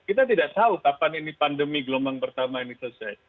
kita tidak tahu kapan ini pandemi gelombang pertama ini selesai